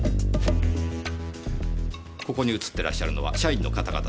ここに写ってらっしゃるのは社員の方々ですね？